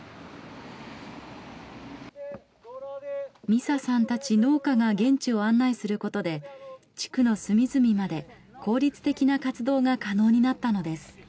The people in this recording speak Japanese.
美佐さんたち農家が現地を案内することで地区の隅々まで効率的な活動が可能になったのです。